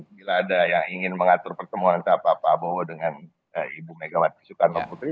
bila ada yang ingin mengatur pertemuan antara pak prabowo dengan ibu megawati soekarno putri